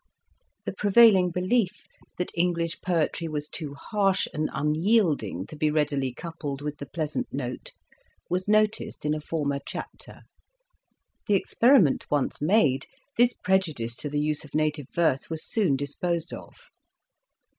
The prevailing belief that English poetry was too harsh and unyielding to be readily coupled with the pleasant note was noticed in a former chapter : the experiment once made, this prejudice to the use of native verse was soon disposed of.